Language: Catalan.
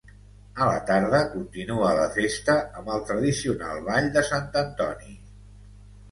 A la tarda continua la festa amb el tradicional Ball de Sant Antoni.